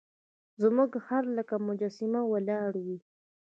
زموږ خر لکه مجسمه ولاړ وي.